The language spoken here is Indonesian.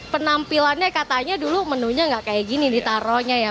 penampilannya katanya dulu menunya gak kayak gini ditarohnya ya